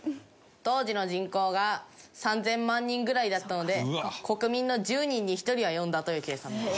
当時の人口が３０００万人ぐらいだったので国民の１０人に１人は読んだという計算です。